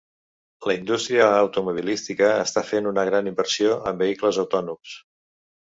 La indústria automobilística està fent una gran inversió en vehicles autònoms.